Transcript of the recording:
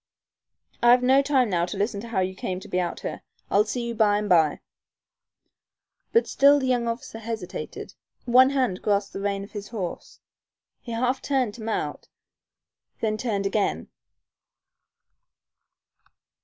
"I've no time now to listen to how you came to be out here. I'll see you by and by." But still the young officer hesitated. One hand grasped the rein of his horse. He half turned to mount, then turned again.